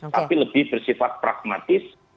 tapi lebih bersifat pragmatis